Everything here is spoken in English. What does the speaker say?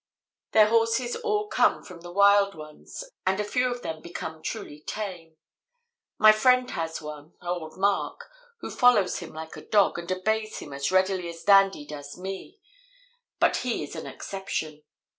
"Their horses all come from the wild ones, and a few of them become truly tame. My friend has one old Mark who follows him like a dog, and obeys him as readily as Dandy does me, but he is an exception.